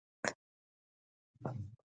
غول د شکمن حالت ګواه دی.